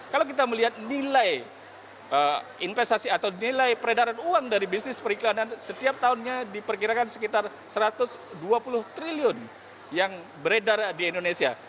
kalau kita melihat nilai investasi atau nilai peredaran uang dari bisnis periklanan setiap tahunnya diperkirakan sekitar satu ratus dua puluh triliun yang beredar di indonesia